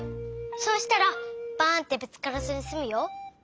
そうしたらバンってぶつからずにすむよ。